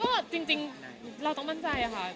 ก็จริงเราต้องมั่นใจค่ะ